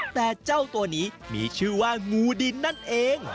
แต่เจ้าตัวนี้มีชื่อว่างูดินนั่นเอง